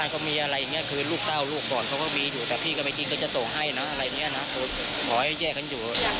ก็โกข์จะไหม่ละมั้ง